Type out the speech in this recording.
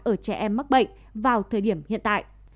ở trẻ em mắc bệnh vào thời điểm hiện tại